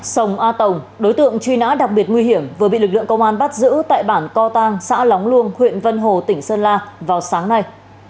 sông a tổng đối tượng truy nã đặc biệt nguy hiểm vừa bị lực lượng công an bắt giữ tại bản co tăng xã lóng luông huyện vân hồ tỉnh sơn la vào sáng nay